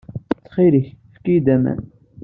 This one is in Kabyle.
Ttxil-k, efk-iyi-d aman!